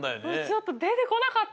ちょっとでてこなかった。ね！